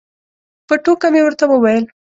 په ټوکه مې ورته وویل.